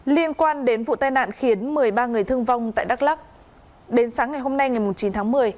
liên quan đến vụ tai nạn khiến một mươi ba người thương vong tại đắk lắc đến sáng ngày hôm nay ngày chín tháng một mươi